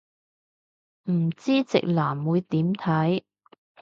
唔知直男會點睇